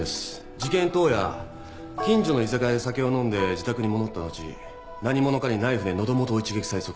事件当夜近所の居酒屋で酒を飲んで自宅に戻った後何者かにナイフでのど元を一撃され即死。